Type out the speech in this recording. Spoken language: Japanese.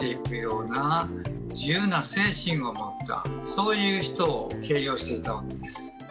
そういう人を形容していたわけです。